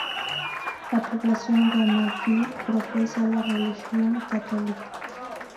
La población de Amalfi profesa la religión católica.